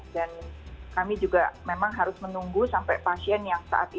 dan kami juga memang harus menunggu sampai pasien yang saat ini